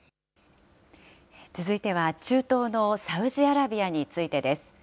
続いては中東のサウジアラビアについてです。